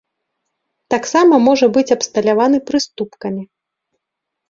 Таксама можа быць абсталяваны прыступкамі.